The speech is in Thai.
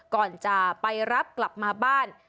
ก่อนจะไปรับกลับมาบ้าน